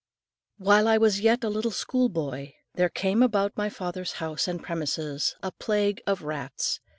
While I was yet a little school boy, there came about my father's house and premises a plague of rats.